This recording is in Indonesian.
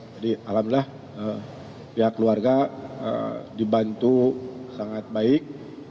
jadi alhamdulillah pihak keluarga dibantu sangat baik